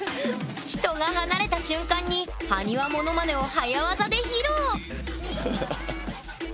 人が離れた瞬間に埴輪モノマネを早業で披露！